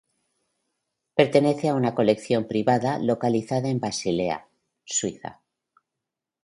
Pertenece a una colección privada localizada en Basilea, Suiza.